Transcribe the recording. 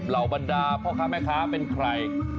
บรรดาพ่อค้าแม่ค้าเป็นใคร